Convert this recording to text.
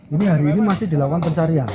ini hari ini masih dilakukan pencarian